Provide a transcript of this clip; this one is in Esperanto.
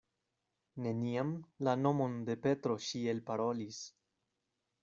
Neniam la nomon de Petro ŝi elparolis.